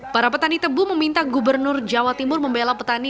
para petani tebu meminta gubernur jawa timur membela petani